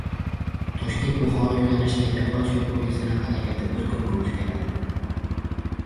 Toshkent–Buxoro yo‘nalishidagi "Afrosiyob" poezdining harakati bir kunga o‘zgaradi